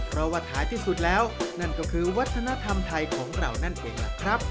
เพราะว่าท้ายที่สุดแล้วนั่นก็คือวัฒนธรรมไทยของเรานั่นเองล่ะครับ